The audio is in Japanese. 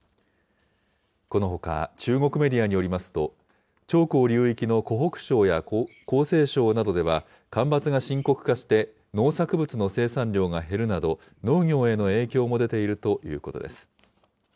このほか、中国メディアによりますと、長江流域の湖北省や江西省などでは、干ばつが深刻化して農作物の生産量が減るなど、農業への影響も出ているということです。